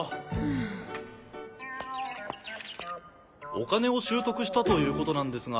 お金を拾得したということなんですが。